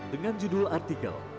dengan judul artikel